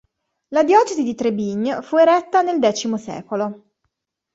La diocesi di Trebigne fu eretta nel X secolo.